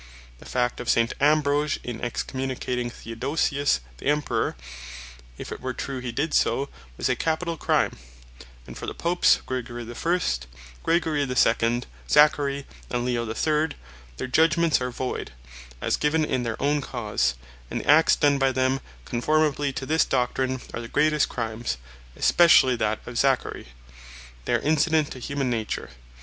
The fact of St. Ambrose, in Excommunicating Theodosius the Emperour, (if it were true hee did so,) was a Capitall Crime. And for the Popes, Gregory 1. Greg. 2. Zachary, and Leo 3. their Judgments are void, as given in their own Cause; and the Acts done by them conformably to this Doctrine, are the greatest Crimes (especially that of Zachary) that are incident to Humane Nature.